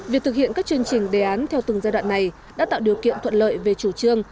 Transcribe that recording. việc thực hiện các chương trình đề án theo từng giai đoạn này đã tạo điều kiện thuận lợi về chủ trương